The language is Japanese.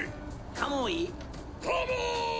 「カモイ！」